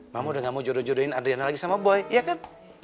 mama udah gak mau jodoh jodohin adriana lagi sama boy ya kan